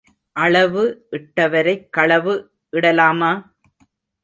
அளவு இட்டவரைக் களவு இடலாமா?